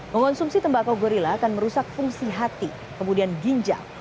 mengonsumsi tembakau gorilla akan merusak fungsi hati kemudian ginjal